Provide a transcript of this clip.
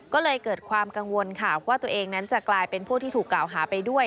ก็เลยเกิดความกังวลค่ะว่าตัวเองนั้นจะกลายเป็นผู้ที่ถูกกล่าวหาไปด้วย